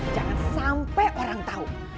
jangan sampai orang tau